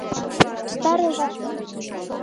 Ваштарова, тый...